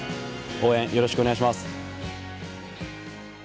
応援よろしくお願いします。